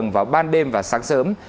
và sáng sớm